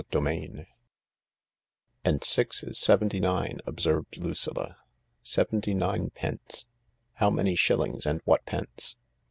CHAPTER IX "And six is sfcvienty nine," observed Lucilla ; "seventy nine pence — how many shillings, and whatpenCe